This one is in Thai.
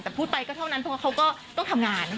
แต่พูดไปก็เท่านั้นเพราะว่าเขาก็ต้องทำงาน